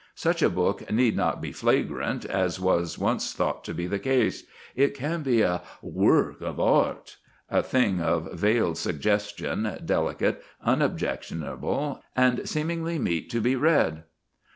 Such a book need not be flagrant, as was once thought to be the case; it can be "a work of art" a thing of veiled suggestion, delicate, unobjectionable, and seemingly meet to be read.